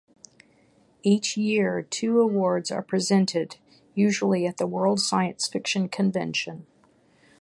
Each year, two awards are presented, usually at the World Science Fiction Convention.